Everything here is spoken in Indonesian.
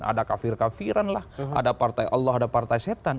ada kafir kafiran lah ada partai allah ada partai setan